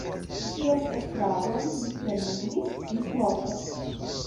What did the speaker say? Ties estradon li plenumis ĝismorte.